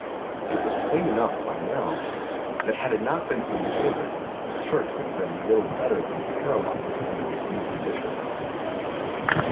It was plain enough by now that had it not been for the Order, the Church would have been little better than paralysed under these new conditions.